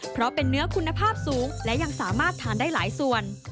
เพราะเป็นเนื้อคุณภาพสูงและยังสามารถทานได้หลายส่วน